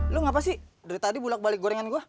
lo ngapa sih dari tadi bulat balik gorengan gue